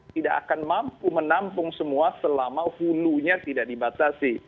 tidak akan mampu menampung semua selama hulunya tidak dibatasi